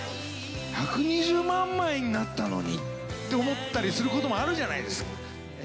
１２０万枚になったのにって思ったりすることもあるじゃないです